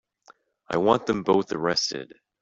I want them both arrested.